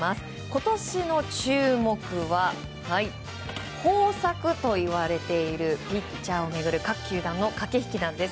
今年の注目は豊作といわれているピッチャーを巡る各球団の駆け引きなんです。